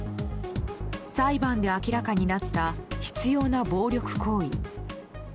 裁判で明らかになった執拗な暴力行為。